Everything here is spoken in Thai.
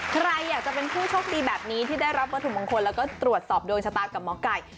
ใครอยากจะเป็นผู้โชคดีแบบนี้ที่ได้รับวัตถุมงคลแล้วก็ตรวจสอบดวงชะตากับหมอไก่